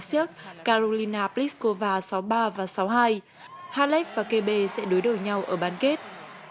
siếc karolina pliskova sáu ba và sáu hai halef và kebe sẽ đối đổi nhau ở bán kết